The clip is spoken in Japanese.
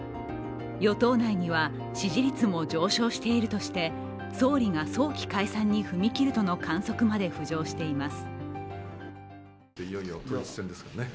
与党内には支持率も上昇しているとして、総理が早期解散に踏み切るとの観測まで浮上しています。